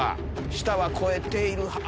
舌は肥えている。